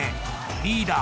リーダー